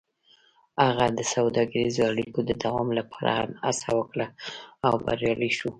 هغه د سوداګریزو اړیکو د دوام لپاره هم هڅه وکړه او بریالی شو.